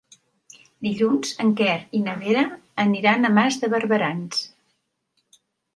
Dilluns en Quer i na Vera aniran a Mas de Barberans.